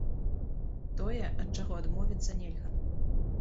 Тое, ад чаго адмовіцца нельга.